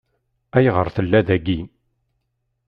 Ayɣer tella dagi?